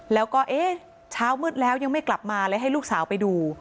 แล้วก็เอ๊ะเช้ามืดแล้วยังไม่กลับมาเลยให้ลูกสาวไปดู